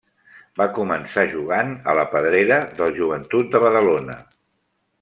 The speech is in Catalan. Va començar jugant a la pedrera del Joventut de Badalona.